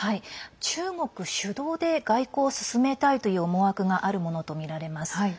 中国主導で外交を進めたいという思惑があるものとみられます。